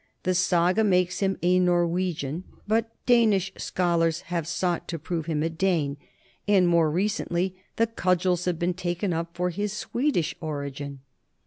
The saga makes him a Norwegian, but Danish scholars have sought to prove him a Dane, and more recently the cudgels have been taken up for his Swedish origin.